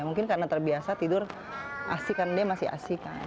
mungkin karena terbiasa tidur asikan dia masih asikan